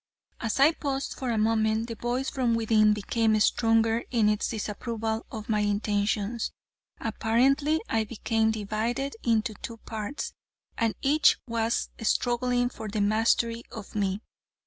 As I paused for a moment, the voice from within became stronger in its disapproval of my intentions. Apparently I became divided into two parts, and each was struggling for the mastery of me.